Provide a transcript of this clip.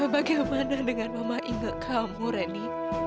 bagaimana dengan mama ingat kamu rani